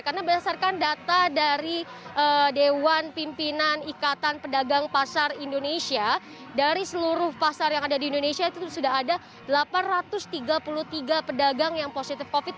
karena berdasarkan data dari dewan pimpinan ikatan pedagang pasar indonesia dari seluruh pasar yang ada di indonesia itu sudah ada delapan ratus tiga puluh tiga pedagang yang positif covid sembilan belas